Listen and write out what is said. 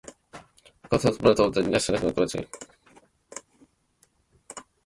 Quijano expanded on this insight and advanced the critique of intellectual dimensions of colonialism.